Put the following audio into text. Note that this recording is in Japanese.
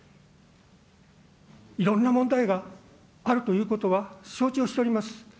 いろんな問題があるということは承知をしております。